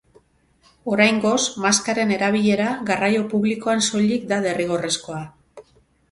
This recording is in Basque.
Oraingoz, maskaren erabilera garraio publikoan soilik da derrigorrezkoa.